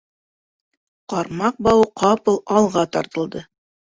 Ҡармаҡ бауы ҡапыл алға тартылды.